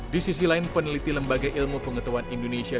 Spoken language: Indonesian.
di sisi lain peneliti lembaga ilmu pengetahuan indonesia